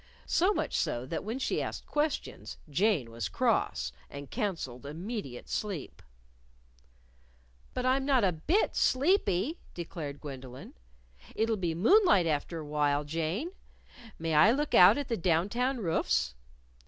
So much so that when she asked questions, Jane was cross, and counseled immediate sleep. "But I'm not a bit sleepy," declared Gwendolyn. "It'll be moonlight after while, Jane. May I look out at the Down Town roofs?"